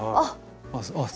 あっ。